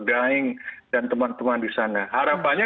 daeng dan teman teman di sana harapannya